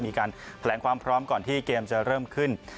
มีการแถลงความพร้อมก่อนที่เกมจะเริ่มขึ้น